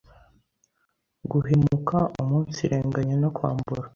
guhemuka, umunsirenganya no kwambura,